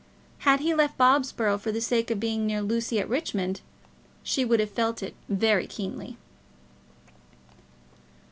Had he left Bobsborough for the sake of being near Lucy at Richmond, she would have felt it very keenly.